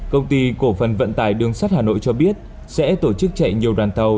công ty cổ phần vận tải đường sắt hà nội cho biết sẽ tổ chức chạy nhiều đoàn tàu